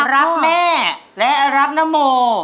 รักแม่และรักนโม